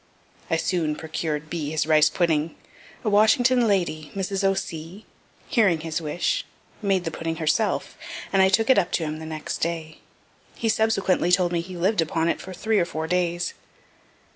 I soon procured B. his rice pudding. A Washington lady, (Mrs. O'C.), hearing his wish, made the pudding herself, and I took it up to him the next day. He subsequently told me he lived upon it for three or four days.